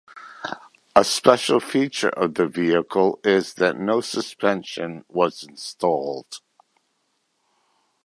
A special feature of the vehicle is that no suspension was installed.